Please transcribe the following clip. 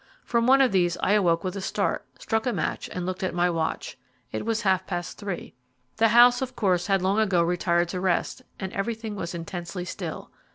From one of these I awoke with a start, struck a match, and looked at my watch. It was half past three. The house had of course long ago retired to rest, and everything was intensely still.